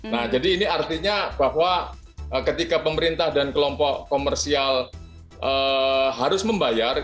nah jadi ini artinya bahwa ketika pemerintah dan kelompok komersial harus membayar